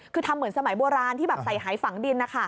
คือทำเหมือนสมัยโบราณที่แบบใส่หายฝังดินนะคะ